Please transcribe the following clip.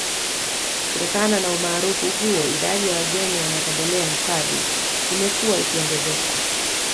Kutokana na umaarufu huo idadi ya wageni wanaotembelea hifadhi imekuwa ikiongezeka